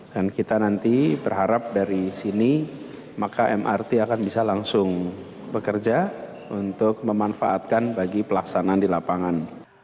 dan kita nanti berharap dari sini maka mrt akan bisa langsung bekerja untuk memanfaatkan bagi pelaksanaan di lapangan